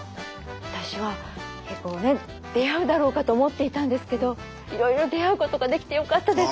私は出会うだろうかと思っていたんですけどいろいろ出会うことができてよかったです。